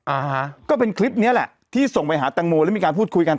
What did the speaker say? อ่าฮะก็เป็นคลิปเนี้ยแหละที่ส่งไปหาแตงโมแล้วมีการพูดคุยกัน